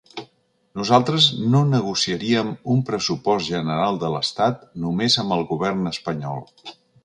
Nosaltres no negociaríem un pressupost general de l’estat només amb el govern espanyol.